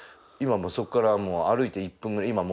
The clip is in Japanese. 今もうそこから歩いて１分くらい。